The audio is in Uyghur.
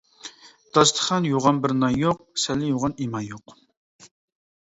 داستىخان يوغان بىر نان يوق، سەللە يوغان ئىمان يوق.